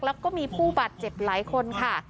แล้วก็มีผู้บาดเจ็บหลายคนค่ะ